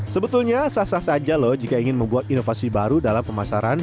sebetulnya sah sah saja loh jika ingin membuat inovasi baru dalam pemasaran